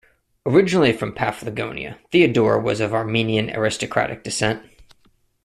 Originally from Paphlagonia, Theodora was of Armenian aristocratic descent.